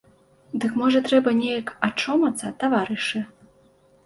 Дык можа трэба неяк ачомацца, таварышы?